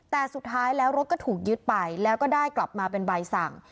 แต่สุดท้ายแล้วรถก็ถูกยึดไปแล้วก็ได้กลับมาเป็นใบสั่ง